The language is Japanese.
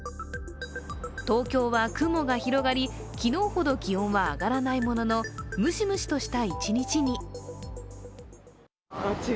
東京は雲が広がり、昨日ほど気温は上がらないもののムシムシとした一日に。